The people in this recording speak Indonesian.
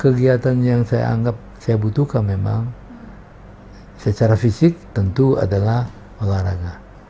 kegiatan yang saya anggap saya butuhkan memang secara fisik tentu adalah olahraga